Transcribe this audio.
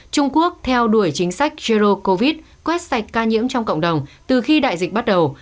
trung quốc theo đuổi chính sách zero covid quét sạch ca nhiễm trong cộng đồng từ khi đại dịch bắt đầu